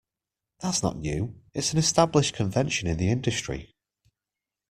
That's not new, it's an established convention in the industry.